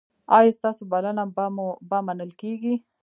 ایا ستاسو بلنه به منل کیږي؟